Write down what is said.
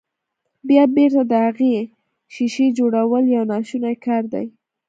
بيا بېرته د هغې ښيښې جوړول يو ناشونی کار دی.